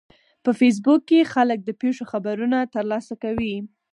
په فېسبوک کې خلک د پیښو خبرونه ترلاسه کوي